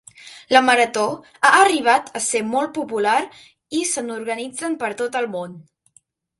La marató ha arribat a ser molt popular i se n'organitzen per tot el món.